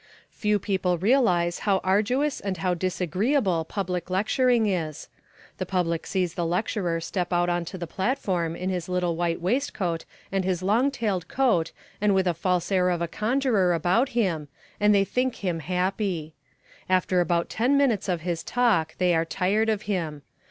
Few people realise how arduous and how disagreeable public lecturing is. The public sees the lecturer step out on to the platform in his little white waistcoat and his long tailed coat and with a false air of a conjurer about him, and they think him happy. After about ten minutes of his talk they are tired of him.